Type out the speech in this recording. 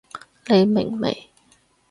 你明未？